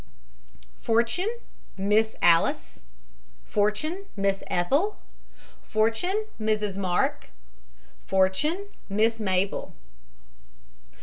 FORTUNE, MISS ALICE FORTUNE, MISS ETHEL. FORTUNE, MRS. MARK. FORTUNE, MISS MABEL.